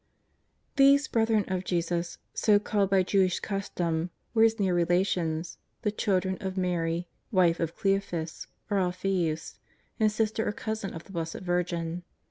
These brethren of Jesus, so called by Jewish cus tom, were His near relations, the children of Mary, wife of Cleophas or Alphaeus, and sister or cousin of the Blessed Virgin.